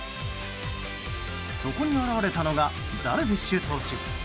そこに現れたのがダルビッシュ投手。